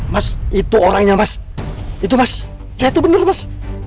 mas itu orangnya mas itu mas itu bener mas